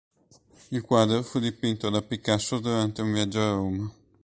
Il quadro fu dipinto da Picasso durante un viaggio a Roma.